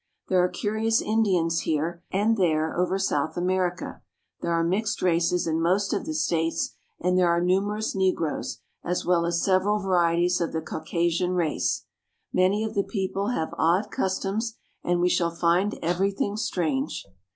There are curious Indians here and there over South America ; there are mixed races in most of the states ; and there are numerous negroes, as well as several varieties of the Caucasian race. Many of the peo ple have odd customs, and we shall find everything strange.